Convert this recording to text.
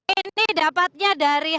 ini dapatnya dari